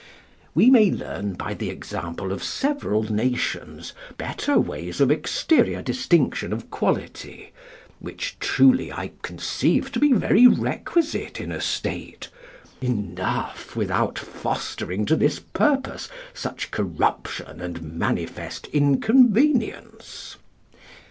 We may learn by the example of several nations better ways of exterior distinction of quality (which, truly, I conceive to be very requisite in a state) enough, without fostering to this purpose such corruption and manifest inconvenience.